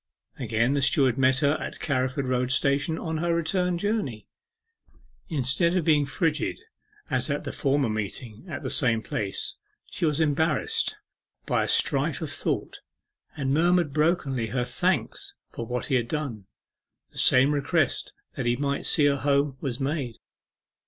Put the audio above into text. Again the steward met her at Carriford Road Station on her return journey. Instead of being frigid as at the former meeting at the same place, she was embarrassed by a strife of thought, and murmured brokenly her thanks for what he had done. The same request that he might see her home was made.